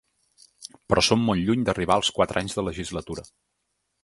Però som molt lluny d’arribar als quatre anys de legislatura.